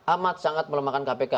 amat sangat melemahkan kpk